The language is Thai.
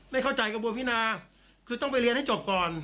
ไม่เข้าใจกระบวนพินาคือต้องไปเรียนให้จบก่อน